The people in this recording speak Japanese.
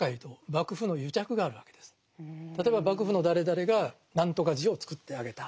例えば幕府の誰々が何とか寺をつくってあげた。